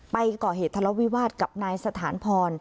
ไปก่อเหตุทะเลาวิวาสกับนายสถานพร